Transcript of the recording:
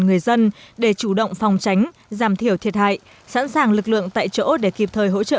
người dân để chủ động phòng tránh giảm thiểu thiệt hại sẵn sàng lực lượng tại chỗ để kịp thời hỗ trợ